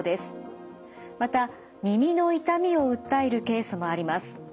また耳の痛みを訴えるケースもあります。